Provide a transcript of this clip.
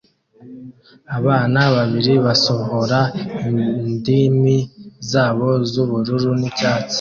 Abana babiri basohora indimi zabo z'ubururu n'icyatsi